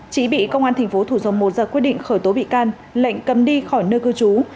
chị bị công an tp thủ dầu một ra quyết định khởi tố bị can lệnh cấm đi khỏi nơi cư trú